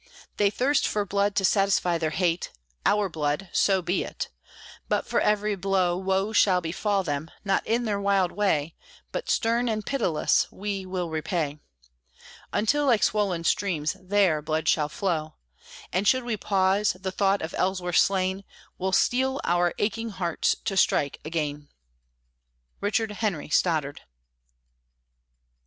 They thirst for blood to satisfy their hate, Our blood: so be it; but for every blow Woe shall befall them; not in their wild way, But stern and pitiless, we will repay, Until, like swollen streams, their blood shall flow; And should we pause; the thought of Ellsworth slain, Will steel our aching hearts to strike again! RICHARD HENRY STODDARD.